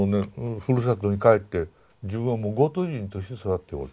ふるさとに帰って自分はもうゴート人として育っておると。